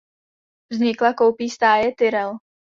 Vznikla koupí stáje Tyrrell.